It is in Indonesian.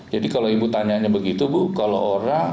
jadi kalau ibu tanya begitu bu kalau orang